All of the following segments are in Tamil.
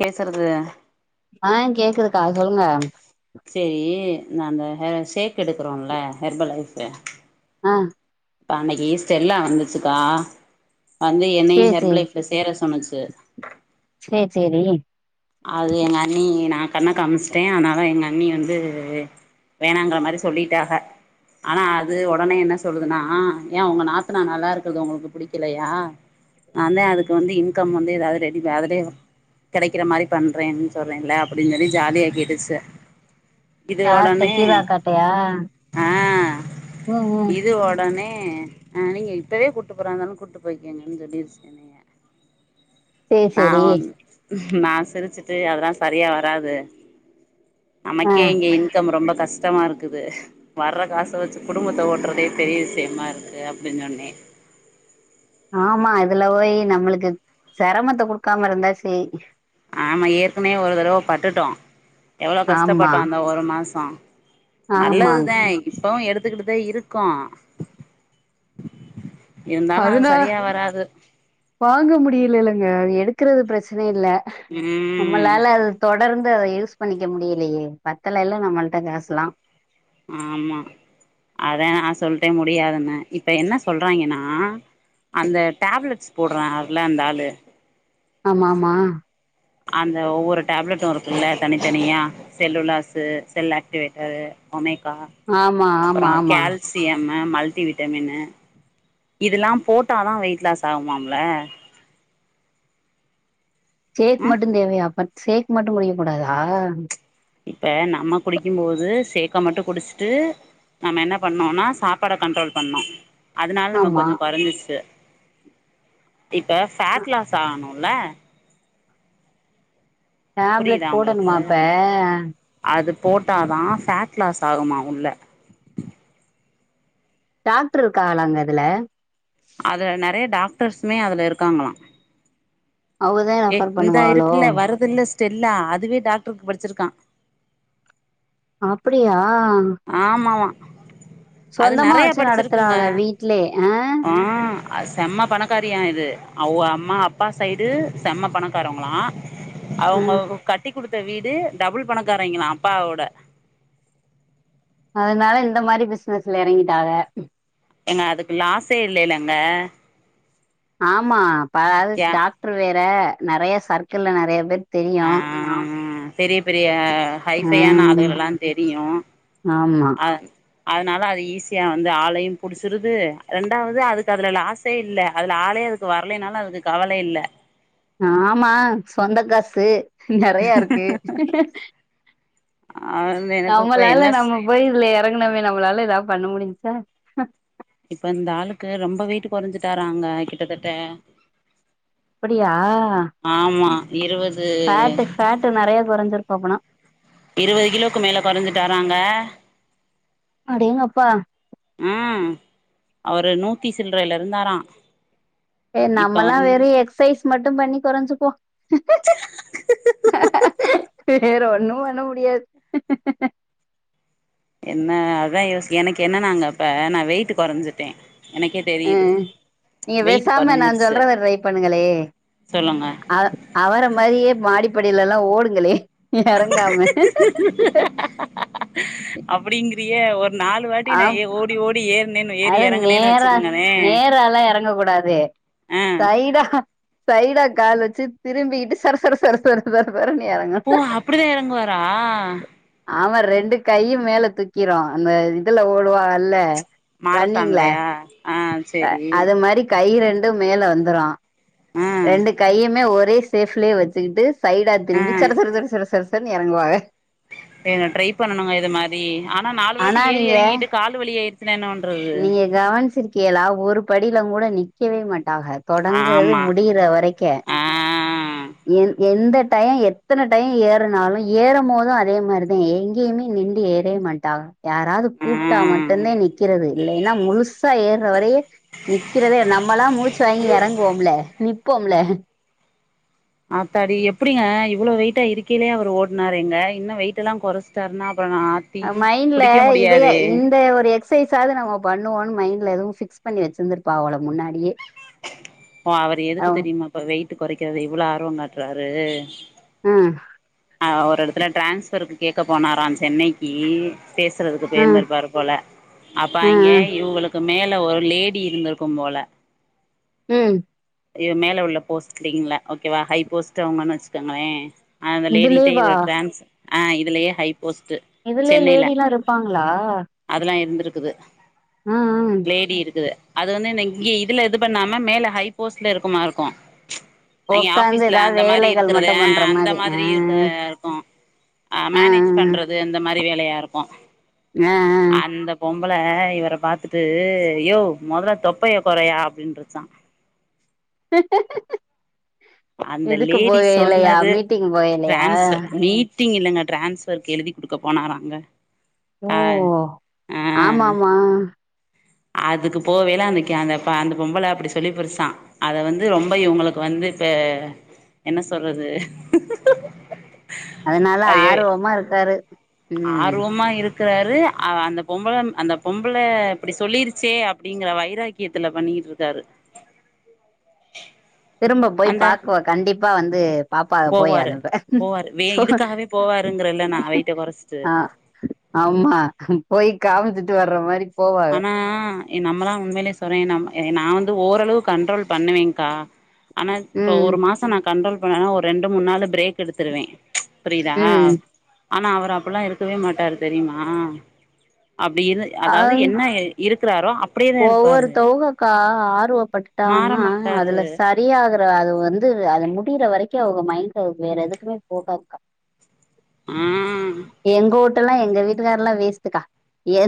பேசுறது ஆஹ் கேக்குதுக்கா சொல்லுங்க நானு ஷேக் எடுக்கிறோம்ல ஹெர்பல் லைஃபு ஆஹ் அன்னைக்கு ஸ்டெல்லா வந்துச்சுக்கா வந்து என்னையும் சேரி சேரி ஹெர்புளைஃப்ல சேர சொன்னச்சு து சேரி சேரி அது எங்க அண்ணி நா கண்ண காமிச்சுட்டேன் அதனால எங்க அண்ணி வந்து வேணாங்கற மாதிரி சொல்லிட்டாக ஆனா அது உடனே என்ன சொல்லுதுன்னா ஏன் உங்க நாத்தனா நல்லா இருக்குறது உங்களுக்கு பிடிக்கலையா நா தான் அதுக்கு வந்து இன்கம் வந்து ஏதாவது ரெடி ப அதான் கிடைக்கிற மாதிரி பன்றே சொல்றேன்ல அப்படின்னு சொல்லி ஜாலியா கேட்டுச்சு இது யார்ட்ட உடனே கீதாக்காட்டயா ஆஹ் ம் ம் இது உடனே ஹ் நீங்க இப்பவே கூட்டி போறா இருந்தாலும் கூட்டு போய்க்கீங்கன்னு சொல்லிருச்சு என்னைய சேரி நா சேரி வந் நா சிரிச்சுட்டு அதெல்லாம் சரியா வராது ஆ நமக்கே இங்க இன்கம் ரொம்ப கஷ் டமா இருக்குது வர்ற காச வச்சு குடும்பத்த ஓட்டுறதே பெரிய விஷயமா இருக்கு அப்படின் சொன்னே [unintelligible] ஆமா இதுல போயி நம்மளுக்கு செரமத்த குடுக்காம இருந்தா சேரி ஆமா ஏற்கனவே ஒரு தரவ பட்டுட்டோ எவ்வளோ ஆமா கஷ்டப்பட்டோ அந்த ஒரு மாச ஆமாங் நல்லதுதே இப்பவு எடுத் துக்கிட்டுதா இருக்கோ இருந்தாலு அது அதுனா சரியா வராது வாங்க முடியிலேலங் க அது எடுக்கறது பிரச்சன இல்ல ம் நம்மளால அது தொ தொடர்ந்து அத யூஸ் பண்ணிக்க முடியலையே பத்தலல்ல நம்மள்ட்ட காசுலா ஆமா அதா நா சொல்ட்டே முடியாதுன்னு இப்ப என்ன சொல்றாங்கைன்னா அந்த டேப்லெட்ஸ் போட்றாருல்ல அந்த ஆளு ஆமா ஆமா அந்த ஒவ்வொரு டேப்லெட்டு இருக்குல்ல தனித்தனியா செல்லுலாஸு செல் ஆக்டிவேட்டரு ஒமே கா ஆமா ஆமா அப்பறோ ஆமா கேல்சியம்மு மல்டிவிட்டமினு இதுல்லா போட்டாதா வெயிட் லாஸ் ஆகுமாம்ல சேக் ம் மட்டு தேவையா அப்ப சேக் மட்டு குடிக்கக்கூடாதா இப்ப நம்ம குடிக்கும்போது சேக்க மட்டு குடிச்சுட்டு நம்ம என்ன பண்ணோன்னா சாப்பாட கண்ட்ரோல் பண்ணோ அதனால நம்ம கொஞ்ச ஆமா கொறைஞ்சிச்சு இப்ப ஃபேட் லாஸ் ஆணுல்ல டேப்லெட் புரியதா உங்களுக்கு போடணுமா அப்ப அது போட்டாதா ஃபே ட் லாஸ் ஆகுமா உள்ள டாக்டர் இருக்காகளா அந்த இதுல அதுல நெறைய டாக்டர்ஸுமே அதுல இருக்காங்களா அவங்கதா ஏய் ரெஃபர் இந்தா பண்ணுவாகளோ இருக்குல்ல வருதுல்ல ஸ்டெல்லா அதுவே டாக்டருக்கு படிச்சிருக்கா அப்படியா ஆமாமா அது சொந்தமா நெறைய வச்சு படிச்சிருக்குங்க நடத்துறாக வீட்லே ஆ அது செம்ம பணக்காரியா இது அவ அம்மா அப்பா சைடு செம்ம பணக்காரவங்களா ஆ அவுங்க கட்டிக் குடுத்த வீடு டபுள் பணக்காரைங்களா அப்பாவோட அதனால இந்த மாரி பிசினஸ்ல எறங்கிட்டாக ஏங்க அதுக்கு லாஸே இல்லேல்லங்க ஆமா பா அது டாக்டர் வேற நெறைய சர்க்கிள்ல நெறைய பேர் தெரியு ஆ பெரிய பெரிய ஹைஃபையான ஆளுகளா தெரியு ஆமா ஆ அதனால அது ஈஸியா வந்து ஆளையு புடிச்சிருது ரெண்டாவது அதுக்கு அதுல லாஸே இல்ல அதுல ஆளே அதுக்கு வரலேன்னாலு அதுக்கு கவலை இல்ல ஆமா சொந்தக் காசு நெறையா இருக்கு அ எனக்கு இப்ப நம்மளால என்ன நம்ம போய் இதுல எறங்குனோமே நம்மளால ஏதாது பண்ண முடிஞ்சிச்சா ஆ இப்ப இந்த ஆளுக்கு ரொம்ப வெயிட்டு கொறைஞ்சுட்டாறாங்க கிட்டத்தட்ட அப்படியா ஆமா இருவது ஃபேட்டு ஃபேட்டு நெறைய கொறஞ்சிருக்கு அப்புனா இருவது கிலோக்கு மேல கொறஞ்சிட்டாறாங்க அடேங்கப்பா ம் அவரு நூத்தி சில்றையில இருந்தாரா ஏ இப்ப நம்மல்லா வந்து வெறு எக்ஸைஸ் மட்டு பண்ணி கொறஞ்சிப்போ வேற ஒன்னு பண்ண முடியாது நா அதா யோசிக் எனக்கு என்னன்னா நாங்க இப்ப நா வெயிட்டு கொறஞ்சிட்டே எனக்கே அ தெரியுது நீங்க வெயிட் பேசாம நா கொறஞ்சிருச்சு சொல்றத ட்ரை பண்ணுங்களே சொல்லுங்க ஆ அவர மாரியே மாடிப்படிலலா ஓடுங்களே எறங்காம அப்டிங்கு ரிய ஒரு நாலு வாட்டி ந ஆம் ஏ ஓடி ஓடி ஏ அது நேரா நேரலா எறங்க கூடாது ஆ சைடா சைடா கால் வச்சு திரும்பிகிட்டு சரசர சர சர ச போ அப்டிதா எறங்குவாரா ஆமா ரெண்டு கையு மேல தூக்கிரோ அத இதுல ஓடுவா இல்ல ரன்னிங்கள மாரத்தான்லயா ஆ அ சேரி அது மாரி கயிற ரெண்டு மேல வந்துரும் ஆ ரெண்டு கையுமே ஒரே சேஃப்லயே வச்சுக்கிட்டு சைடா ஆ திரும்பி சர சர சர சர சரசர்ன்னு இறங்குவாக வே ட்ரை பண்ணனுங்க இது மாரி ஆனா நாலு வாட்டி ஏறி எறங்கிட்டு காலு வலியாயிடுச்சன என்னவன்றது ஏளா ஒரு படியில கூட நிக்கவே மாட்டாக தொடங்குறது ஆமா முடி வரைக்க ஆ என் எந்த டைய எத்தன டைய ஏறனாலும் ஏறம்மோது அதே மாரிதான் எங்கேயுமே நிண்டு ஏறே மாட்டா யாராவ்து ஆ கூப்ட்டா மட்டுந்தே நிக்கிறது இல்லேயன்னா முழுசா ஏறுற வரையே நிக்கிறதே நா நம்மல்லா மூச்சு வாங்கி இறங்குவோம்ல நிப்போம்ல ஆத்தாடி எப்டிங்க இவ்ளோ வெயிட்டா இருக்கிலே அவர் ஓடுனாரு எங்க இன்னும் வெயிட் எல்லா குறைச்சிட்டாருன்னா மைண்ட்ல இதைய இந்த ஒரு எக்சைஸாது நம்ம பண்ணுவோம்னு மைண்ட்ல எதுவும் ஃபிக்ஸ் பண்ணி வச்சிருந்திருப்பா போலா முன்னாடியே ஓ அவரு எதுக்கு அவ் தெரியுமாப்ப வெயிட் குறைக்கது இவ்வளோ ஆர்வம் காட்டுறாரு ம் அ ஒரு இடத்துல ட்ரான்ஸ்பருக்கு கேக்க போனாரான் சென்னைக்கு பேசுறதுக்கு ம் போயர்ந்திருப்பாரு போல அப்ப ம் அங்கே இவுகளுக்கு மேல ஒரு லேடி இருந்திருக்கும் போல ம் இய மேல உள்ள போஸ்டிங்ல ஓகேவா ஹை போஸ்ட் அவங்குனு வச்சுக்கங்களேன் இதுலே இது ஒரு டிரான்ஸ் ஆ இதுலயே ஹை போஸ்ட்டு இதுலயே சென்னைல லேடிலாம் இருப்பாங்களா அதுல்லா இருந்திருக்குது ம் ம் லேடி இருக்குது அது வந்து இந்த இங்கே இதுல இது பண்ணாம மேல ஹை போஸ்ட்ல இருக்குமா இருக்கும் அயிங்க உக்காந்து ஆபீஸ்ல ஏதாவது அந்த மாரி வேலைகள் இருக்கறது மட்டும் பண்ற அந்த ஆ மாரி இருக்க இருக்கும் அ ஆ மேனேஜ் பண்றது இந்த மாரி வேலையா இருக்கும் ஆ ஆ அந்த பொ பொம்பள இவர பாத்துட்டு யோவ் மொதல்ல தொப்பைய கொறையா அப்டின்றுச்சான் அந்த இதுக்கு லேடி போகலையா சொன்னது மீட்டிங் போகலையா டிரான்ஸ மீட்டிங் இல்லங்க டிரான்ஸ்பர்க்கு எழுதி குடுக்க போனாராங்க ஓ அ ஆ ஆமாமா அதுக்கு போவைல அன்னக்கு அந்த அந்த பொம்பல அப்புடி சொல்லி புடிச்சா அத வந்து ரொம்ப இவுங்களுக்கு வந்து து இப்ப என்ன சொல்றது அதனால அது ஆர்வமா இருக்காரு ம் ஆர்வமா இருக்கறாரு அவ அந்த பொம்பள அந்த பொம்பள இப்டி சொல்லிருச்சே அப்படிங்கிற வைராக்கியத்துல பண்ணிகிட்டு இருக்காரு திரும்ப போய் அந்த பாக்குவ கண்டிப்பா வந்து பாப்பா போய் அனுப்றே ம் சோ ஓவருங்கரல்ல நா அவ வீட்டுக்கு போற சொ ஆ ஆமா போய் கவுந்துட்டு வர்ற மாரி போவாங்க ஆனா எ நம்மளா உண்மையிலே சொல்றே நம் ஏ நா வந்து ஓரளவு கண்ட்ரோல் பண்ணுவேங்க்கா ஆனா இப்போ ம் ஒரு மாசோ நா கண்ட்ரோல் பண்ணேன்னா ஒரு ரெண்டு மூணு நாளு பிரேக் எடுத்துருவே புரியுதா ம் ஆனா அவரு அப்பல்லா இருக்கவே மாட்டாரு தெரியுமா அப்டி இரு அதாவது என்ன எ இருக்குறாரோ அப்டியேதா இருப்பாரு ஒவ்வொருதவுங்கோக்கா மாற ஆர்வப்பட்டுட்டாகன்னா மாட்டாரு அதுல சரியாகற அது வந்து அது முடியிற வரைக்கு அவுக மைண்டு வேற எதுக்குமே போகாதுகா ம் ட்லெல்லா எங்க வீட்டுக்கார்லா வேஸ்டுக்கா எ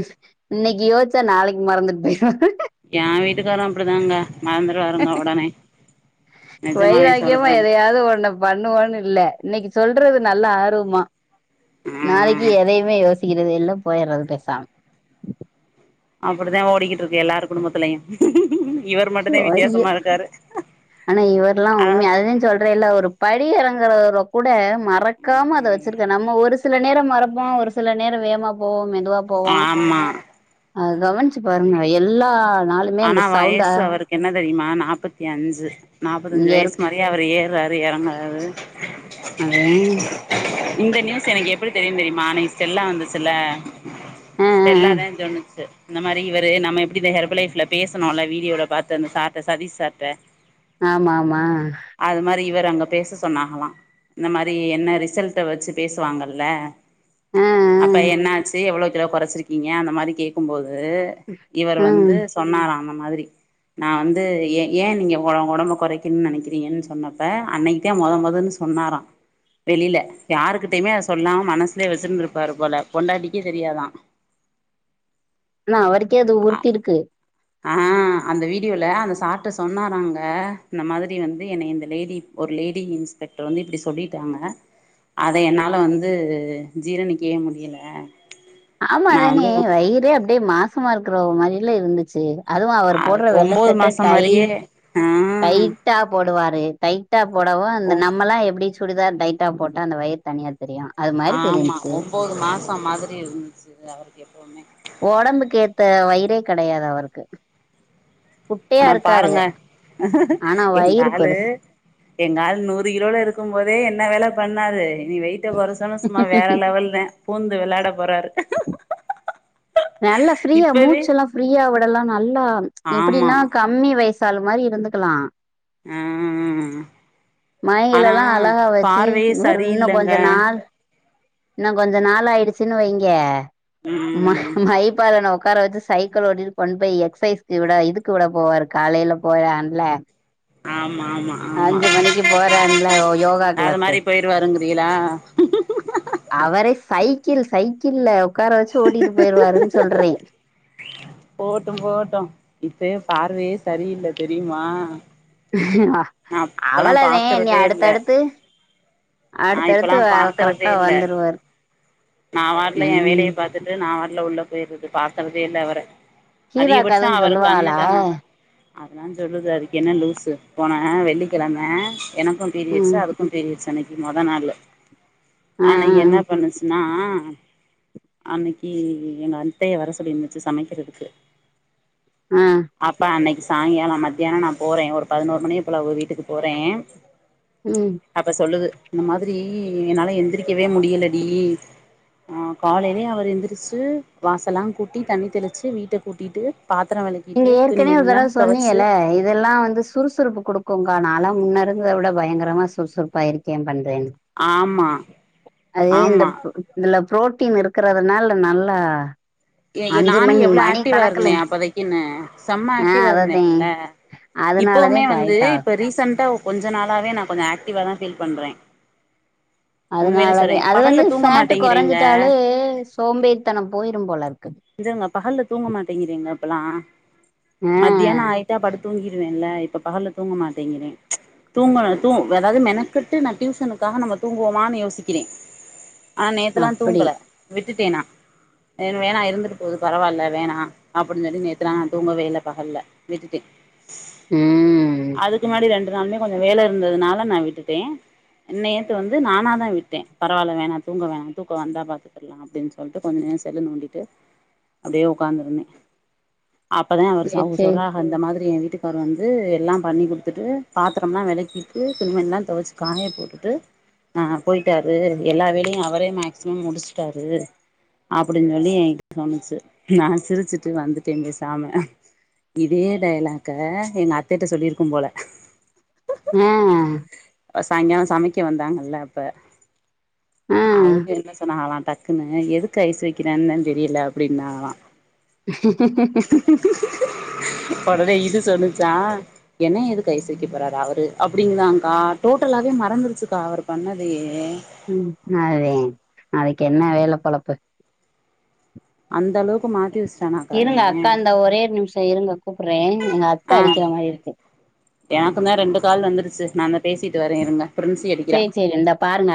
இன்னைக்கி யோஸ்சா நாளைக் மறந்துட் போய்ர்வா எ வீட்டுக்காரு அப்படிதாங்க மறந்துறுவாருங்க ஒடனே நெஜமாவே வைராக்கியமா சொல்றே எதயாவது ஒண்ண பண்ணுவோன்னில்ல இன்னைக்கு சொல்றது நல்ல ஆர்வமா நாளைக்கி எதையுமே யோஸ் க்கிறது இல்ல போயறது பெசாம் அப்புடித்தா ஓடிகிட்ருக்கு எல்லாரு குடும்பத்திலயு சோ அய்யோ ஆனா இவர்லா அ உண்மையா அதுதேசொல்றேல்ல ஒரு படி எறங் எறங்கரதலகூட மறக்காம அத வெச்சிருக்கே நம்ம ஒரு சில நேரம் மறப்போ ஒரு சில நேர வேகமா போவோ என் ஆமா அத கவனிச்சி பாருங்க எல்லா நாளுமே ஆனா அந்த சவுண்ட வயசு அவருக்கு என்ன தெரியுமா நாப்பத்தி அஞ்சு நாப்பத்தஞ்சு இங்க வயசு இருக்கு மாரியா அவரு ஏற்றாரு எறங்குறாரு அதே இந்த நியூஸ் எனக் எப்புடி தெரியு தெரியுமா அன்னிக்கு ஸ்டெல்லா வந்துசுல்ல ஆ ஆ ஸ்டெல்லாத சொன்னுச்சு இந்தமாரி இவரு நம்ம எப்புடி இந்த ஹெர்ப்பு லைஃப்ல பேசுனோல வீடியோல பாத்து அந்த சார்ட சதீஷ் சார்ட ஆமா ஆமா இவர அங்க பேசசொன்னாங்கலா இந்த மாரி என்ன ரிசல்ட வெச்சு பேசுவாங்கல்ல ஆ ஆ அப்ப என்ன ஆச்சு எவ்வளோ கிலோ கொறச்சிருகீங்க அந்த மாரி கேக்கும் போ து இவரு ஆ வந்து சொன்னாரா அந்த மாதிரி நா வந்து ஏ ஏ நீங்க ஒ ஒடம்ப கொறைக்கின் நெனைகிறீங்கன் சொன்னப்ப அன்னைக்தே மொதன் மொதன்னு சொ சொன்னாரா வெளியில யாருகிட்டயுமே அத சொல்லாம் மனஸ்லே வெச்சிருந்திருபாரு போல பொண்டாடிக்கு தெரியாதா ஆனா அவருக்கே அது உறுத்திருக்கு ஆ அ அந்த வீடியோல அந்த சார்ட்ட சொன்னாராங்க இந்த மாதிரி வந்து என்னைய இந்த லேடி ஒரு லேடி இன்ஸ் பெக்டர் வந்து இப்பிடி சொல்லிட்டாங்க அத என்னால வந்து ஜீரணிக்யே முடியல ஆமா நா வந்து தானே வயிறே அப்டே மாசமா இரு க்கறவ மாரில இருந்துச்சு அதுவு அவரு அ போடுற வெள்ள ஒம்போது சட்ட மாசோ டை மாரியே ஆ டைட்டா போடுவாரு டைட்டா போடவு இந்த ஒம் நம்மலா எப்டி சுடிதார் டைட் டா போட்டா அந்த வயிறு தனியா தெரியு அது மாரி ஆமா தெரிஞ்ச்சு உம்போது மாசம் மாதிரி இருந்துச்சு அவருக்கு எப்பவுமே ஓடம்புக்கேத்த வயிரே கெடையாது அவருக்கு குட்டையா ஆனா இருக்காரு பாருங்க ஆனா எங்க வயிறு ஆளு பெருசு எங்க ஆள் நூறு கிலோல இருக்கும் போதே என்ன வேல பண்ணாரு இனி வெயிட்ட கொறச்சொன்னே சும்மா வேற லெவல்தே பூந்து விளாட போறாரு நல்லா ஃப்ரீயா இப்பவே மூச்செல்லா ஃப்ரீயா விடலா நல்லா ஆமா எப்புடின்னா கம்மி வய சாலு மாரி இருந்துகலா ஆ ஆனா மயங்கிலலா அழகா வெச்சு பார்வையே இவரு இன்னு சரியில்லங்க கொஞ்ச நாள் இன்னு கொஞ்ச நாள் ஆயிடுசுன்னு வைங்க ம ம் மைப்பாரு ந உக்காரவெச்சு சைக்கிள் ஓட்டிட்டு கொண் போய் எக்சைஸ்கு விட இதுக்கு விட போவாரு காலையில போவலாம்ல ஆமா ஆமா ஆமா அஞ்சு மணிக்கு போறான்ல ஒ யோகா அது க்ளாஸு மாரி போயிருவாருங்கிறீகளா அவரே சைக்கிள் சைக்கிள்ல உக்கார வெச்சு ஓட்டிட்டு போயிருவாருன் சொல்றே போகட்டு போகட்டு இப்பயே பார்வையே சரியில்ல தெரியுமா நா அப்பலா அவ்வளதே நீ பாக்கறதே இல்ல அடுத்தடுத்து நா இப்பலா அடுத்தடுத்து வேற கரெக்டா பாக்கறதேல்ல வந்துருவாரு நா வாட்ல ஏ ம் வேலய பாத்துட்டு நாவாட்ல உள்ள போயிர்றது பாக்குறதே இல்ல அவர கீதா அதிக பச்ச கதுன்னு அவருக்கு சொல்லுவாளா அண்ணதா நானு அதா சொல்லுது அதுக்கென்ன லூசு போன வெள்ளிக்கெழம எனக்கு பீரியட்சு ம் அதுக்கு பீரியட்சு அன்னைக்கு மொத நாளு ஆ அன்னிக்கு என்ன பண்ணுச்சுன்னா ம் அன்னிக்கு எங் அத்தய வர சொல்லிருந்துச்சு சமைக்கறதுக்கு ஆ அப்ப அன்னைக்கு சாயங்காலோ மத்தியானோ நா போறே ஒரு பதுனோரு மணிய போல அவ வீட்டுக்கு போறே ம் அப்ப சொல்லுது முன்ன மாதிரி என்னால எந்திரிக்கவே முடியலடி அ காலை [unintelligible] அவரு எந்திரிச்சு வாசலா கூட்டி தண்ணி தெளிச்சு வீட்ட கூடிட்டு நீங்க ஏற்கனவே ஒரு தரவ சொன்னீங்கல இதெல்லா வந்து சுறுசு சுறுப்பு குடுக்குங் க்கா நாலா முன்ன இருந்தத விட பயங்கரமா சுறுசுறுப்ப இருக்கே பண் ஆமா அது இந்த ஆமா இப் இதுல புரோட்டீன் இருக்றதனால நல்லா ஏ ஏ அஞ்சு நானு மணி எவ்ளோ மணி ஆக்டிவா கணக்குல இருந்தே அப்போதைக்குன்னு செம்மா ஆ ஆக்டிவா அததே இருந்தேன்ல்ல அதனாலதே இப்பவுமே இப்ப வந்து ஹைட் ஆகுது இப்ப ரீசெண்ட்டா கொஞ்ச நாளாவே நா கொஞ்சோ ஆக்டிவா தா ஃபீல் பண்றே உண்மையிலே அதனாலதே சொல்றே அது பகல்ல வந்து தூங்க ஃபேட்டு மாட்டேங்கிறேங்க கொறஞ்சிட்டாலே சோம்பேரித்தனோ போயிரு போலருக் ங்க பகல்ல தூங்க மாட்டேங்கிதுங்க இப்பல்லா ஆ மத்தியான ஆயிட்டா படுத் தூங்கிடுவேன்ல இப்ப பகல்ல தூங்க மாட்டேங்கிறே தூங்குன தூ வே அதாது மெனக்கட்டு நா டியூசனுக்காக நம்ம தூங்குவோமான்னு யோசிக்கிறே ஆ நேத்தல்லா அப்டி தூங்கல விட்டுட்டே நா வேணா இருந்துட்டு போது பரவால்ல வேணா அப்டின் சொல்லி நேத்துலா நா தூங்கவே இல்ல பகல்ல விட்டுட்டே ம் அதுக்கு முன்னாடி ரெண்டு நாளுமே கொஞ்சோ வேல இருந்ததுனால நா விட்டுட்டே நேத்து வந்து நானா தா விட்டே பரவால வேணா தூங்க வேணா தூக்கோ வந்தா பாத்துக்கற்லா அப்டின் சொல்ட்டு கொஞ்ச நே னு செல்ல நோண்டிட்டு அப்டே ஒக்காந்துருந்தே அப்பதா அவரு சேரி அவக சேரி சொல்றாக இந்த மாதிரி ஏ வீட்டுக்கார் வந்து எல்லா பண்ணி குடுத்துட்டு பாத்தரம்லா வெளக்கிட்டு துணிமணிலா தொவச்சு காய போட்டுட்டு ஆ போய்ட்டாரு எல்லா வேலையு அவரே மேக்சிமம் முடிச்சிட்டாரு அப்டின் சொல்லி [inaudible] சொன்னுச்சு நா சிரிச்சுட்டு வந்துட்டே பேசாம இதே டைலாக்க எங்க அத்தைட்ட சொல்லிருக்கு போல ஆ சாய்ங்கால சமைக்க வந்தாங்கல்ல அப்ப ஆ அவங்க என்ன சொன்னாங்காலா டக்குன்னு எதுக்கு ஐஸ்சு வைக்கிறான்தா தெரியல அப்டின்னாங்களா அதோட இது சொன்னுச்சா என்ன எதுக்கு ஐஸ் வைக்க போறாரு அவரு அப்டிங்குதாங்கா டோட்டலாவே மறந்துருச்சுக்கா அவர் பண்ணதயே ம் அதே அதுக்கு என்ன வேல பொலப்பு அந்த அளவுக்கு மாத்தி வஸ்டாங் இருங்க அக்கா இந்த ஒரே நிம்ஷோ இருங்க கூப்புறே எங்க அத்த அடிக்கிற மாரி இருக்கு எனக்கு தா ரெண்டு கால் வந்துருச்சு நா தா பேசிட்டு வரே இருங்க ப்ரின்சி அடிக்கிறா சேரி சேரி இந்தா பாருங்க